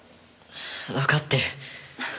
わかってる。